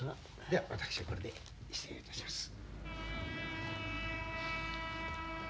では私はこれで失礼いたします。